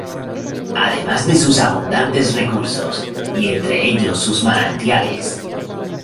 Además de sus abundantes recursos, y entre ellos sus manantiales.